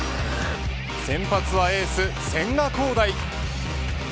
先発はエース千賀滉大。